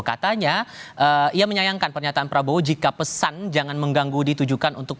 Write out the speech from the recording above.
katanya ia menyayangkan pernyataan prabowo jika pesan jangan mengganggu ditujukan untuk